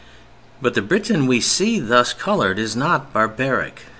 But the Britain we see thus colored is not barbaric.